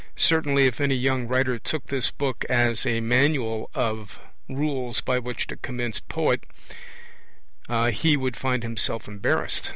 Certainly if any young writer took this book as a manual of rules by which to 'commence poet', he would find himself embarrassed.